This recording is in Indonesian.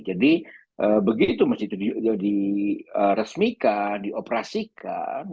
jadi begitu masjid itu diresmikan dioperasikan